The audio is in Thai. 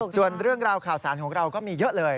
ส่วนเรื่องราวข่าวสารของเราก็มีเยอะเลย